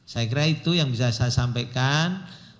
saya kira itu yang bisa saya sampaikan